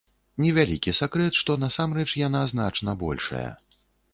Невялікі сакрэт, што насамрэч яна значна большая.